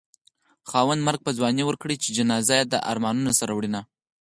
خاونده مرګ په ځوانۍ ورکړې چې جنازه يې د ارمانه سره وړينه